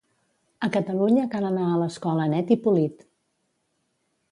A Catalunya cal anar a l'escola net i polit.